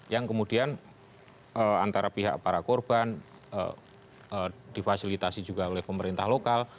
yang kemudian antara pihak para korban difasilitasi juga oleh pemerintah lokal